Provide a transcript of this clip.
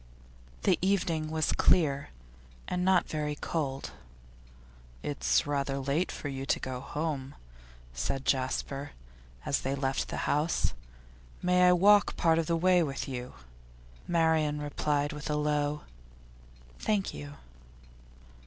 The evening was clear, and not very cold. 'It's rather late for you to go home,' said Jasper, as they left the house. 'May I walk part of the way with you?' Marian replied with a low 'Thank you.